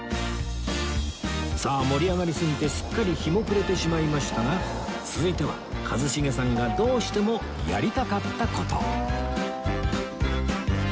さあ盛り上がりすぎてすっかり日も暮れてしまいましたが続いては一茂さんがどうしてもやりたかった事